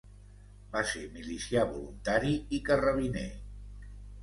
Va ser milicià voluntari i carrabiner.